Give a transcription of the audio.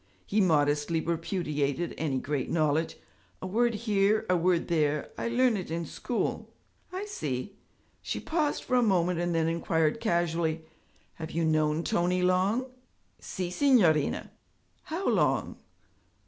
He modestly repudiated any great knowledge. 'A word here, a word there; I learn it in school.' 'I see!' She paused for a moment and then inquired casually, 'Have you known Tony long?' 'Si, signorina.' 'How long?'